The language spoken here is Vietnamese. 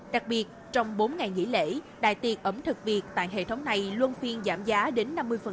đặc biệt trong bốn ngày nghỉ lễ đài tiệc ẩm thực việt tại hệ thống này luôn phiên giảm giá đến năm mươi